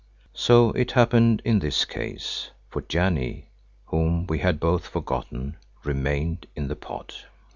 So it happened in this case, for Janee, whom we had both forgotten, remained in the pod.